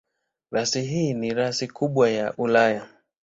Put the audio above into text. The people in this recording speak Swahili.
Rasi hii ni rasi kubwa ya Ulaya.